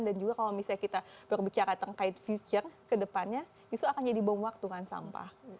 dan juga kalau misalnya kita berbicara terkait future ke depannya itu akan jadi bom waktu kan sampah